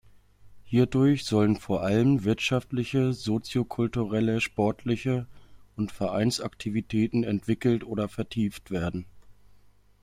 Hierdurch sollen vor allem wirtschaftliche, sozio-kulturelle, sportliche und Vereins-Aktivitäten entwickelt oder vertieft werden.